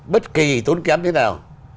bất kì tốn kém thế nào